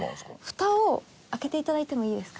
ふたを開けていただいてもいいですか？